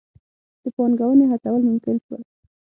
د پانګونې هڅول ممکن شول.